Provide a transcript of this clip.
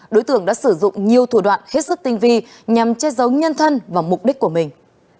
đối tượng đã sử dụng nhiều thủ đoạn hết sức tinh vi nhằm che giấu nhân thân và mục đích của mình